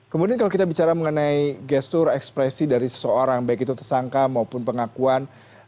kemudian kalau kita bicara mengenai gestur ekspresi dari seseorang baik itu tersangka maupun pengakuan